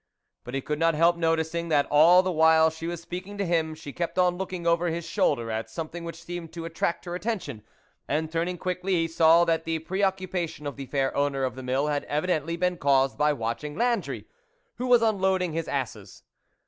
But he could not help noticing that 'all the while she was speak ing to him, she kept on looking over his shoulder at something which seemed to attract her attention, and turning quickly, he saw that the pre occupation of the fair owner of the Mill had evidently been caused by watching Landry,* who was unloading his asses.